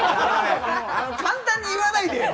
あの、簡単に言わないでよ！